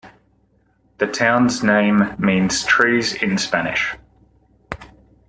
The town's name means "trees" in Spanish.